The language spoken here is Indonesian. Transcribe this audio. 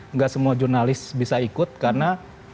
nggak semua jurnalis bisa ikut karena